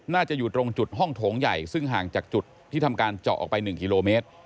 น่าจะอยู่ตรงจุดห้องโถงใหญ่ซึ่งห่างจากจุดที่ทำการเจาะออกไป๑กิโลเมตร